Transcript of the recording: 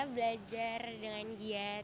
belajar dengan giat